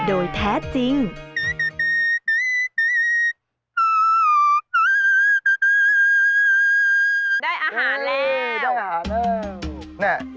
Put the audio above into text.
ได้อาหารแล้ว